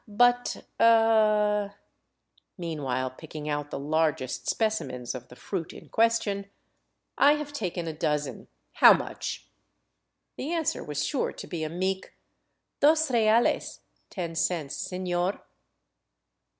But — er "— meanwhile pick ing out the largest specimens of the fruit in question —" I h?ive taken a dozen. How much ?" The answer was sure to be a meek, " Dos reales — ten cents, sefior."